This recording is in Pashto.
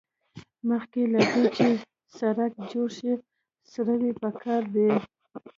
مخکې له دې چې سړک جوړ شي سروې پکار ده